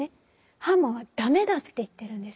ハーマンは駄目だって言ってるんです。